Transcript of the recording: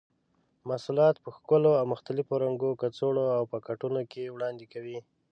محصولات په ښکلو او مختلفو رنګه کڅوړو او پاکټونو کې وړاندې کوي.